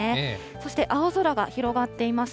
そして青空が広がっています。